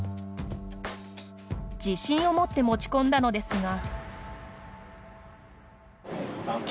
自信を持って持ち込んだのですが。